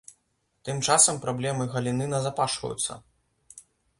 Тым часам праблемы галіны назапашваюцца.